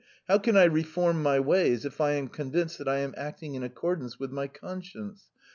How can I reform when I am convinced that I am acting according to my conscience?